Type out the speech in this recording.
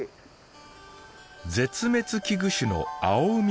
絶滅危惧種のアオウミガメ。